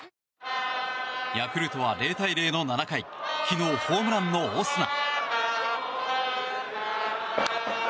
ヤクルトは０対０の７回昨日ホームランのオスナ。